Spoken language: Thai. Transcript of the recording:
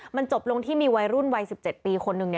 มันจบลงที่มีวัยรุ่นวัย๑๗ปีคนหนึ่ง